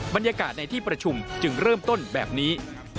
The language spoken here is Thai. บรรยากาศในที่ประชุมจึงเริ่มต้นแบบนี้